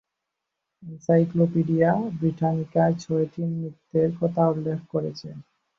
Encyclopedia ব্রিটানিকায় ছয়টি নৃত্যের কথা উল্লেখ করেছে।